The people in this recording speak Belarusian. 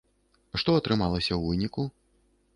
Што атрымалася ў выніку?